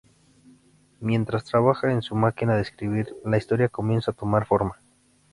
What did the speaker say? Mientras trabaja en su máquina de escribir, la historia comienza a tomar forma.